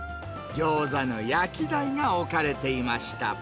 ギョーザの焼き台が置かれていました。